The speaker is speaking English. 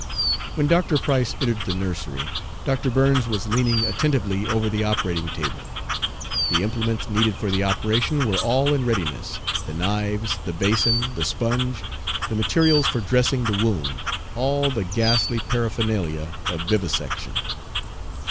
When Dr. Price entered the nursery, Dr. Burns was leaning attentively over the operating table. The implements needed for the operation were all in readiness the knives, the basin, the sponge, the materials for dressing the wound all the ghastly paraphernalia of vivisection.